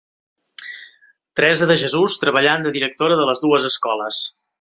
Teresa de Jesús treballant de directora de les dues escoles.